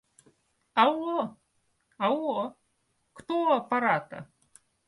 «Алло?» — «Алло». — «Кто у аппарата?»